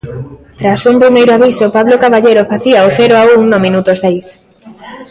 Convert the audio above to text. Tras un primeiro aviso, Pablo Caballero facía o cero a un no minuto seis.